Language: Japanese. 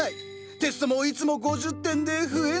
テストもいつも５０点で増えない。